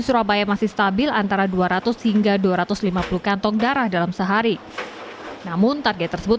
surabaya masih stabil antara dua ratus hingga dua ratus lima puluh kantong darah dalam sehari namun target tersebut